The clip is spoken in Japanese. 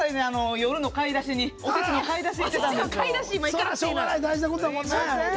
夜の買い出しにおせちの買い出しに。